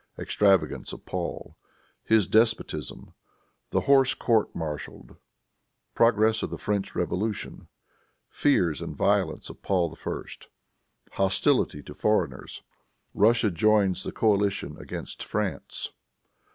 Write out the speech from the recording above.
Extravagance of Paul. His Despotism. The Horse Court Martialed. Progress of the French Revolution. Fears and Violence of Paul I. Hostility to Foreigners. Russia Joins the Coalition against France.